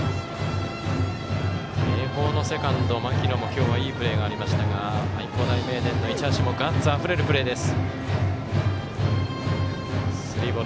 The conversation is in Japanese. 明豊のセカンド牧野もいいプレーがありましたが愛工大名電の市橋もガッツあふれるプレーです。